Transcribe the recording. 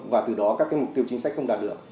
và từ đó các mục tiêu chính sách không đạt được